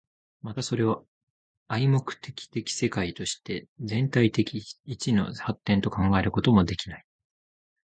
またそれを合目的的世界として全体的一の発展と考えることもできない。